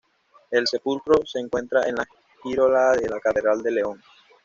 El sepulcro se encuentra en la girola de la Catedral de León.